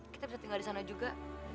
kita bisa tinggal disana juga